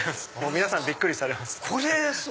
皆さんびっくりされます。